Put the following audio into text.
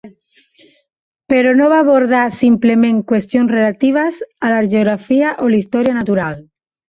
Però no va abordar simplement qüestions relatives a la geografia o la història natural.